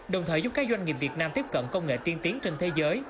đồng thời giúp các doanh nghiệp việt nam tiếp cận công nghệ tiên tiến trên thế giới